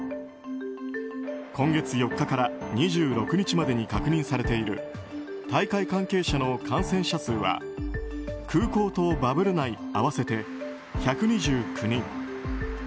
今月４日から２６日までに確認されている大会関係者の感染者数は空港とバブル内合わせて１２９人。